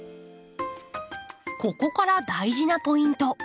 ここから大事なポイント。